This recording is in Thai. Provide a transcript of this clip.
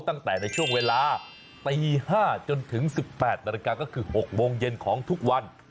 ตั้งแต่ในช่วงเวลาตี๕จนถึง๑๘นาฬิกาก็คือ๖โมงเย็นของทุกวัน